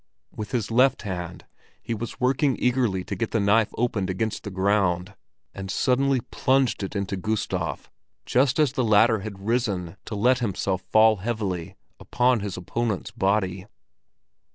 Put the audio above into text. With his left hand he was working eagerly to get the knife opened against the ground, and suddenly plunged it into Gustav just as the latter had risen to let himself fall heavily upon his opponent's body.